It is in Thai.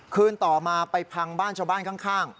คืนต่อมาไปพังบ้านชาวบ้านข้าง